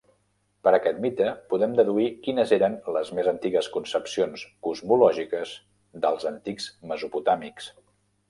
Per aquest mite, podem deduir quines eren les més antigues concepcions cosmològiques dels antics mesopotàmics.